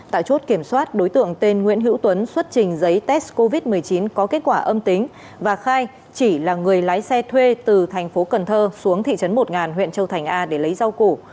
tại chốt kiểm soát đối tượng tên nguyễn hữu tuấn xuất trình giấy test covid một mươi chín có kết quả âm tính và khai chỉ là người lái xe thuê từ thành phố cần thơ xuống thị trấn một huyện châu thành a để lấy rau củ